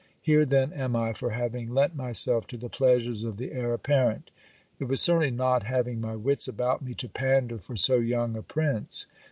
Here, then, am I, for having lent myself to the pleasures of the heir ap parent ! It was certainly not having my wits about me, to pander for so young a prince.